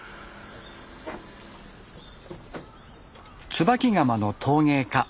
椿窯の陶芸家